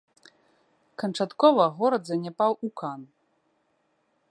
Канчаткова горад заняпаў у кан.